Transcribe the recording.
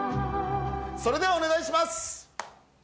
それではお願いします！